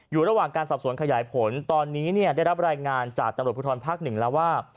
อยู่ระหว่างการสอบสวนขยายผลตอนนี้เนี่ยได้รับรายงานจากตำรวจภูทรภาคหนึ่งแล้วว่า